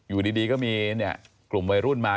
อยู่ดีก็มีกลุ่มวัยรุ่นมา